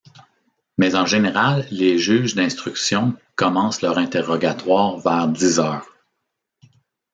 Mais en général les juges d’instruction commencent leurs interrogatoires vers dix heures.